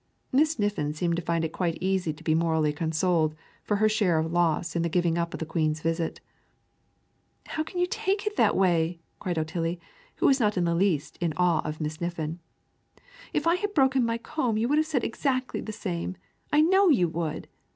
Miss Niffin seemed to find it quite easy to be morally consoled for her share of loss in the giving up of the Queen's visit. "How can you talk in that way!" cried Otillie, who was not in the least in awe of Miss Niffin. "If I had broken my comb, you would have said exactly the same, I know you would!